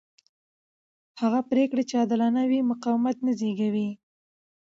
هغه پرېکړې چې عادلانه وي مقاومت نه زېږوي